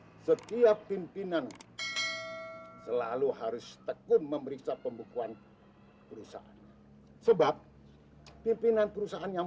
hai setiap pimpinan selalu harus tekun memeriksa pembukuan perusahaan sebab pimpinan perusahaan yang